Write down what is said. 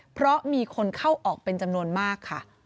เพราะมีคนเข้าออกเป็นจำนวนมากค่ะ